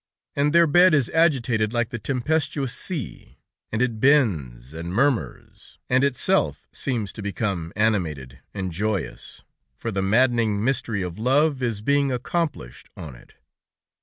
And their bed is agitated like the tempestuous sea, and it bends and murmurs, and itself seems to become animated and joyous, for the maddening mystery of love is being accomplished on it.